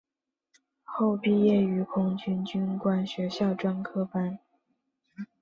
后毕业于空军军官学校专科班。